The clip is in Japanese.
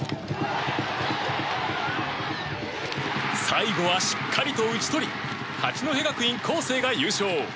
最後はしっかりと打ち取り八戸学院光星が優勝。